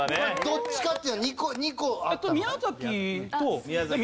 どっちかっていうのは２個あったの？